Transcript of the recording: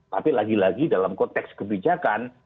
tapi lagi lagi dalam konteks kebijakan